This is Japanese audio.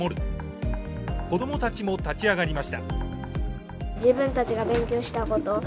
子どもたちも立ち上がりました。